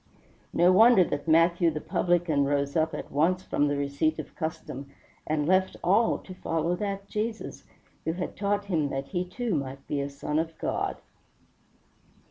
No wonder that Matthew the publican rose up at once from the receipt of custom and left all to follow that Jesus, who had taught him that he too might be a son of God.